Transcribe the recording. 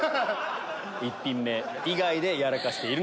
１品目以外でやらかしているのか？